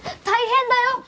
大変だよ！